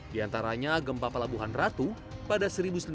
di antaranya gempa pelabuhan ratu pada seribu sembilan ratus